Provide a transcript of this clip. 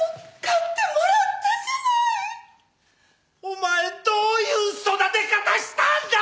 お前どういう育て方したんだ！